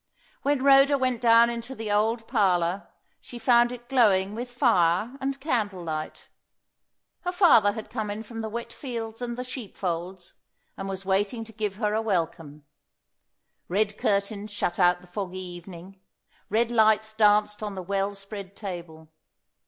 When Rhoda went down into the old parlour, she found it glowing with fire and candle light. Her father had come in from the wet fields and the sheepfolds, and was waiting to give her a welcome. Red curtains shut out the foggy evening; red lights danced on the well spread table.